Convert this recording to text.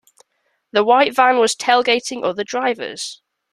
The white van was tailgating other drivers.